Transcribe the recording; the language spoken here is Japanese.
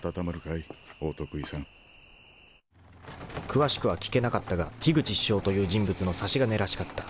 ［詳しくは聞けなかったが樋口師匠という人物の差し金らしかった］